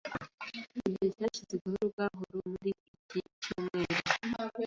Igihe cyashize gahoro gahoro muri iki cyumweru.